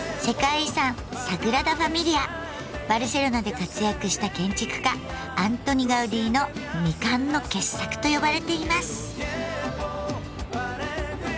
バルセロナで活躍した建築家アントニ・ガウディの「未完の傑作」と呼ばれています。